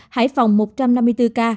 hải phòng một trăm năm mươi bốn ca